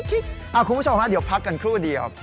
คุณผู้ชมฮะเดี๋ยวพักกันครู่เดียว